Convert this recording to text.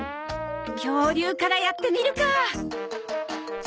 恐竜からやってみるか。